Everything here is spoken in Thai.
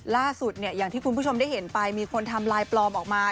ล่าสุดเนี่ยอย่างที่คุณผู้ชมได้เห็นไปมีคนทำลายปลอมออกมา